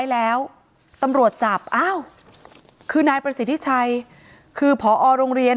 แล้วตำรวจจับอ้าวคือนายประสิทธิชัยคือพอโรงเรียน